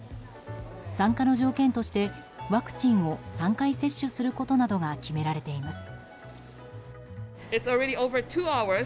参加の条件としてワクチンを３回接種することなどが決められています。